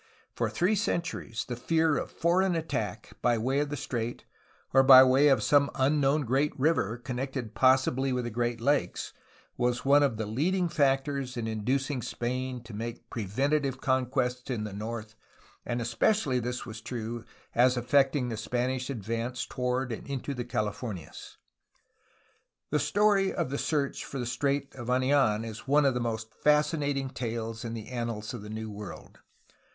For three centuries the fear of foreign attack by way of the strait or by way of some unknown great river, connected possibly with the 72 A HISTORY OF CALIFORNIA Great Lakes, was one of the leading factors in inducing Spain to make preventive conquests in the north, and es pecially was this true as affecting the Spanish advance toward and into the Californias. The story of the search for the Strait of Anid,n is one of the most fascinating tales in the annals of the New World.